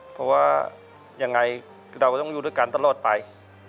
เพราะว่ายังไงเราก็ต้องอยู่ด้วยกันตลอดไป